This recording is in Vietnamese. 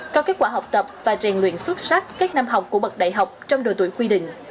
có kết quả học tập và rèn luyện xuất sắc các năm học của bậc đại học trong đội tuổi quy định